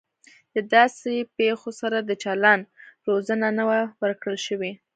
د داسې پیښو سره د چلند روزنه نه وه ورکړل شوې